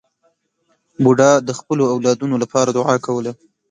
بوډا د خپلو اولادونو لپاره دعا کوله.